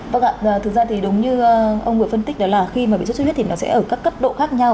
vâng ạ thực ra thì đúng như ông vừa phân tích đó là khi mà bị sốt xuất huyết thì nó sẽ ở các cấp độ khác nhau